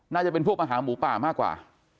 น่าจะเป็นพวกมาหาหมูป่ามากกว่า